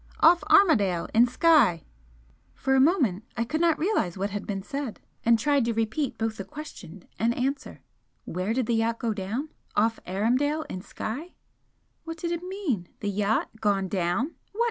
"Off Armadale, in Skye." For a moment I could not realise what had been said and tried to repeat both question and answer 'Where did the yacht go down?' 'Off Armadale, in Skye.' What did it mean? The yacht? Gone down?